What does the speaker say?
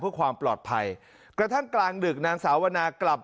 เพื่อความปลอดภัยกระทั่งกลางดึกนางสาวนากลับ